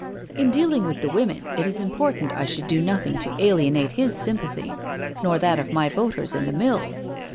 In deal ing with the women it is important I should do nothing to alienate his sympathy, nor that of my voters in the mills.